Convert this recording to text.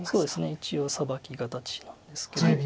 一応サバキ形なんですけど。